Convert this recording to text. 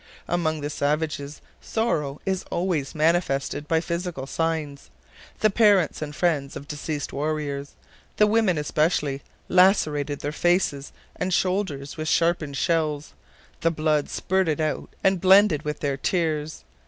Among the savages, sorrow is always manifested by physical signs; the parents and friends of deceased warriors, the women especially, lacerated their faces and shoulders with sharpened shells. The blood spurted out and blended with their tears.